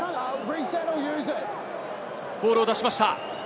ボールを出しました。